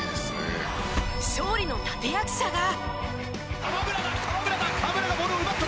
勝利の立役者が。